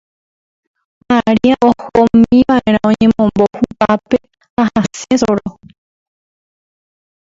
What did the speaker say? Maria ohómiva'erá oñemombo hupápe ha hasẽ soro.